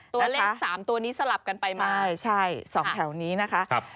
ตัวเลข๓ตัวนี้สลับกันไปมาใช่สองแถวนี้นะคะ